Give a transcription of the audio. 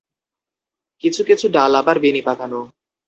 কিছু-কিছু ডাল আবার বেণী পাকানো।